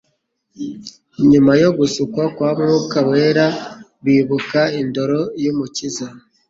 Nyuma yo gusukwa kwa Mwuka Wera, bibuka indoro y’Umukiza,